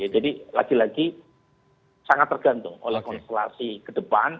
jadi lagi lagi sangat tergantung oleh konstelasi ke depan